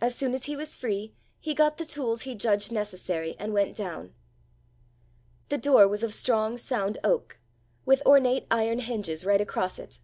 As soon as he was free, he got the tools he judged necessary, and went down. The door was of strong sound oak, with ornate iron hinges right across it.